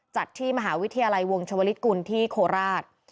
จัดที่มหาวิทยาลัยวงชวลิศกุลที่โคราช